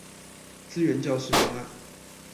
資源教室方案